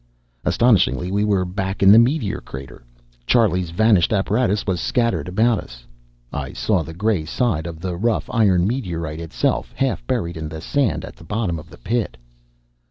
Astonishingly, we were back in the meteor crater. Charlie's vanished apparatus was scattered about us. I saw the gray side of the rough iron meteorite itself, half buried in the sand at the bottom of the pit.